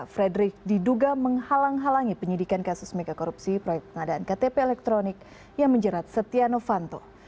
frederick diduga menghalang halangi penyidikan kasus megakorupsi proyek pengadaan ktp elektronik yang menjerat setia novanto